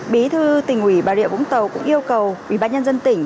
bí thư tỉnh ủy bà rịa vũng tàu cũng yêu cầu ủy ban nhân dân tỉnh